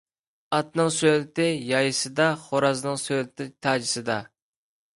ئاتنىڭ سۆلىتى يايىسىدا، خورازنىڭ سۆلىتى تاجىسىدا.